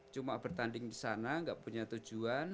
cuma bertanding di sana nggak punya tujuan